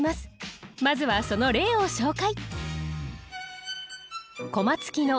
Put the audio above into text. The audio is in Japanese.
まずはその例を紹介。